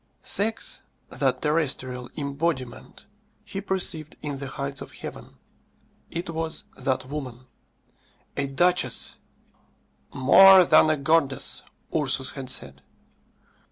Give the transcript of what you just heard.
Sex, that terrestrial embodiment, he perceived in the heights of heaven. It was that woman. A duchess! "More than a goddess," Ursus had said.